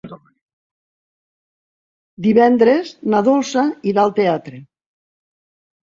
Divendres na Dolça irà al teatre.